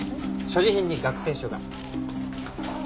所持品に学生証が。